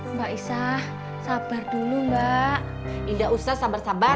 mbak isah sabar dulu mbak indah ustaz sabar sabar